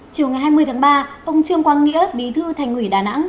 chiều ngày hai mươi tháng ba ông trương quang nghĩa bí thư thành ủy đà nẵng